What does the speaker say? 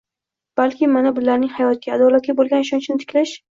balki, mana bularning hayotga, adolatga bo‘lgan ishonchini tiklash.